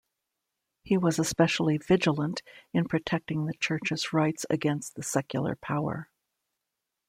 He was especially vigilant in protecting the Church's rights against the secular power.